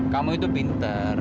kamu itu pinter